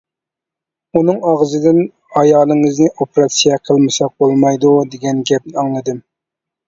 ئۇنىڭ ئاغزىدىن «ئايالىڭىزنى ئوپېراتسىيە قىلمىساق بولمايدۇ» دېگەن گەپنى ئاڭلىدىم.